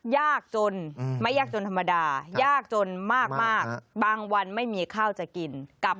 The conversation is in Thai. ยากจนไม่ยากจนธรรมดายากจนมากบางวันไม่มีข้าวจะกินกับ